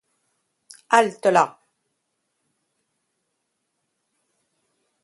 Halte-là!